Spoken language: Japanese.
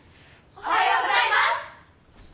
おはようございます。